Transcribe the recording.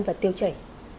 và tiêu chảy